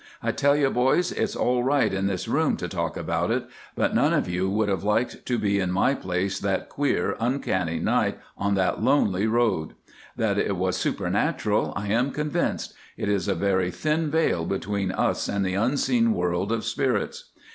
"I tell you, boys, it's all right in this room to talk about it, but none of you would have liked to be in my place that queer, uncanny night on that lonely road. That it was supernatural, I am convinced; it is a very thin veil between us and the unseen world of spirits.